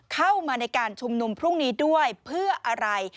เข้ามาในการชุมนุมพรุ่งนี้ด้วยเพื่ออะไร